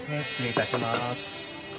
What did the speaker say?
失礼いたします。